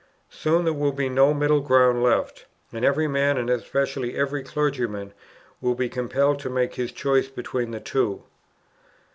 Soon there will be no middle ground left; and every man, and especially every clergyman, will be compelled to make his choice between the two."